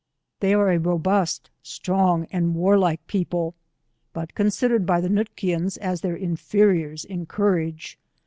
They area robust strong and warlike people, but consif dered by the Nootkians.aa thei» inferiors in courage.